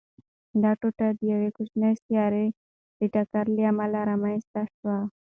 دا ټوټه د یوې کوچنۍ سیارې د ټکر له امله رامنځته شوې.